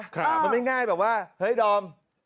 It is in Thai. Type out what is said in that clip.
มันไม่ง่ายแบบว่าเฮ้ยดอม